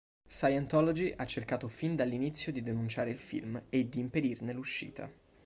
Scientology ha cercato fin dall'inizio di denunciare il film e di impedirne l'uscita.